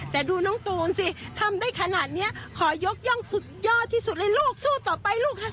แต่ดูน้องตูนสิทำได้ขนาดนี้ขอยกย่องสุดยอดที่สุดเลยลูกสู้ต่อไปลูกค่ะ